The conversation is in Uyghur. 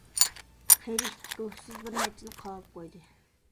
قېرى ئىت روھسىز بىر نەچچىنى قاۋاپ قويدى.